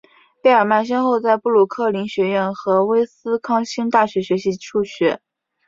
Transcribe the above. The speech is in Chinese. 贝尔曼先后在布鲁克林学院和威斯康星大学学习数学。